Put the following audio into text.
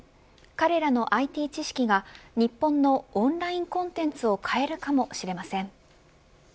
彼らのＩＴ知識が日本のオンラインコンテンツを変えるかもしれません。